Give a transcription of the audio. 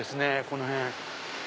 この辺。